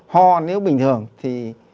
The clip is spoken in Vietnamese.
ho nếu bình thường thì